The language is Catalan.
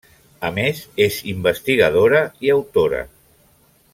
A més, és investigadora i autora.